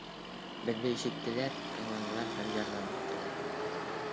Беҙҙе ишеттеләр, тыңланылар һәм ярҙам иттеләр.